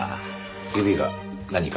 指が何か？